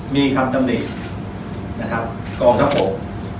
มีคำสำนีดนะครับข้อครับผม